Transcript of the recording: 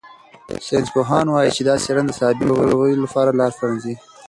ساینسپوهان وايي چې دا څېړنه د عصبي ناروغیو لپاره لار پرانیزي.